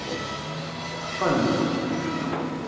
Teqqen.